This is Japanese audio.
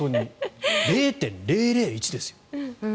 ０．００１ですよ。